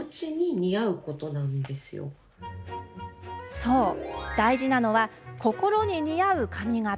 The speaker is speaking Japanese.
そう、大事なのは「心」に似合う髪形。